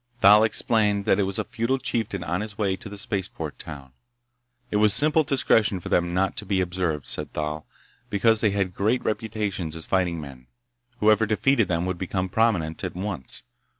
Thal explained that it was a feudal chieftain on his way to the spaceport town. It was simple discretion for them not to be observed, said Thal, because they had great reputations as fighting men. Whoever defeated them would become prominent at once.